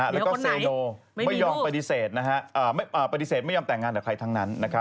แล้วก็เซโนไม่ยอมปฏิเสธไม่ยอมแต่งงานกับใครทั้งนั้น